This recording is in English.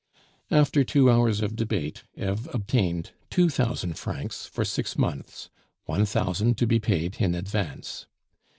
After two hours of debate, Eve obtained two thousand francs for six months, one thousand to be paid in advance.